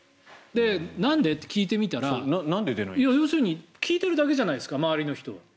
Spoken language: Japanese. なんでって聞いてみたら要するに聞いてるだけじゃないですか周りの人は。